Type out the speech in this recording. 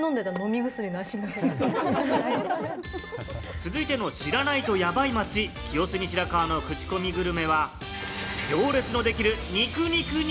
続いての知らないとヤバい街、清澄白河のクチコミグルメは、行列のできる肉肉肉！